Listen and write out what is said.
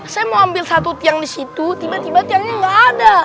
saya mau ambil satu tiang di situ tiba tiba tiangnya nggak ada